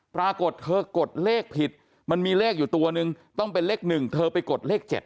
ปรากฏเธอกดเลขผิดมันมีเลขอยู่ตัวนึงต้องเป็นเลข๑เธอไปกดเลข๗